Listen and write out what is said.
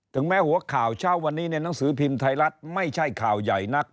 แม้หัวข่าวเช้าวันนี้ในหนังสือพิมพ์ไทยรัฐไม่ใช่ข่าวใหญ่นัก